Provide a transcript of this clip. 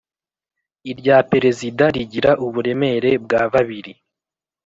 irya Perezida rigira uburemere bw ababiri